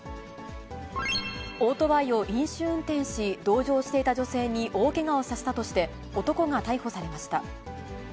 オートバイを飲酒運転し、同乗していた女性に大けがをさせたとして、男が逮捕されました。